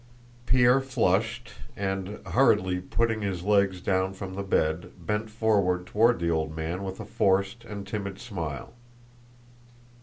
Pierre flushed and, hurriedly putting his legs down from the bed, bent forward toward the old man with a forced and timid smile.